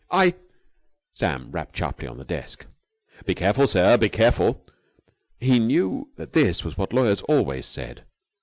"I...." Sam rapped sharply on the desk. "Be careful, sir. Be very careful!" He knew that this was what lawyers always said.